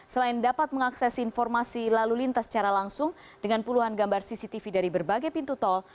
selain dapat mengakses informasi lalu lintas secara langsung dengan puluhan gambar cctv dari berbagai pintu tol